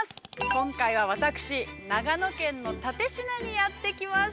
今回は、私、長野県の蓼科にやってきまし